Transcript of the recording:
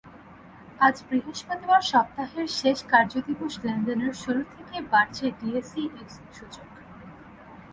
আজ বৃহস্পতিবার সপ্তাহের শেষ কার্যদিবস লেনদেনের শুরু থেকেই বাড়ছে ডিএসইএক্স সূচক।